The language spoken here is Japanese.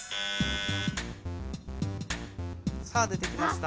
さあ出てきました。